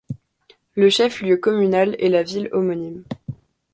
Le chef-lieu communal est la ville homonyme.